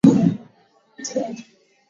Wape kustarehe.